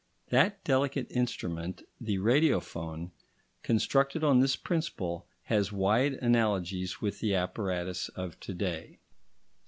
That delicate instrument the radiophone, constructed on this principle, has wide analogies with the apparatus of to day.